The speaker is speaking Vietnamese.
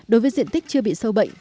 đối với diện tích chưa bị sâu bệnh